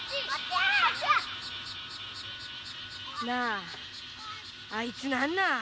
なああいつ何なん？